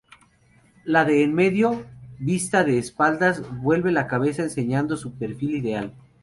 La de en medio, vista de espaldas, vuelve la cabeza enseñando un perfil ideal.